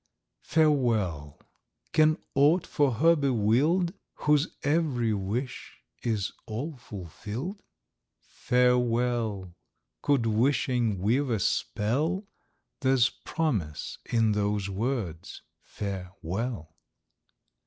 Farewell!—can aught for her be will'd Whose every wish is all fulfill'd? Farewell!—could wishing weave a spell, There's promise in those words "Fare well!"